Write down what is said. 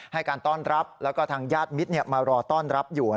ให้การต้อนรับแล้วก็ทางญาติมิตรมารอต้อนรับอยู่